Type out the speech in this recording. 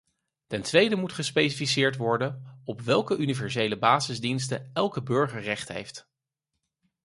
Ten tweede moet gespecificeerd worden op welke universele basisdiensten elke burger recht heeft.